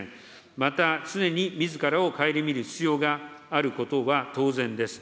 また常にみずからを顧みる必要があることは当然です。